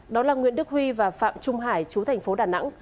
đó là nguyễn đức huy và phạm trung hải chú thành phố đà nẵng